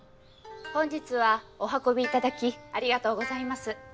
本日はお運びいただきありがとうございます。